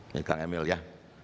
ya kang emil ya